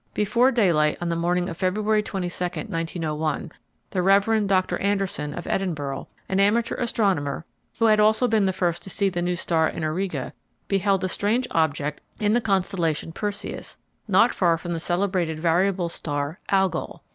Before daylight on the morning of February 22, 1901, the Rev. Doctor Anderson, of Edinburgh, an amateur astronomer, who had also been the first to see the new star in Auriga, beheld a strange object in the constellation Perseus not far from the celebrated variable star Algol.